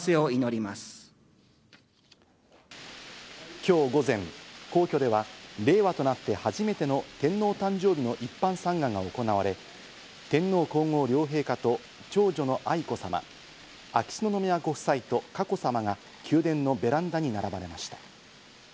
今日午前、皇居では令和となって初めての天皇誕生日の一般参賀が行われ、天皇皇后両陛下と長女の愛子さま、秋篠宮ご夫妻と佳子さまが宮殿のベランダに並ばれました。